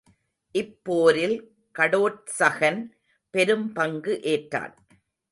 இப்போரில் கடோற்சகன் பெரும் பங்கு ஏற்றான்.